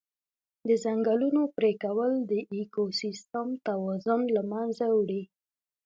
د ځنګلونو پرېکول د اکوسیستم توازن له منځه وړي.